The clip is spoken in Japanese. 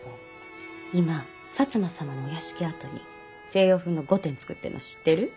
今摩様のお屋敷跡に西洋風の御殿造ってんの知ってる？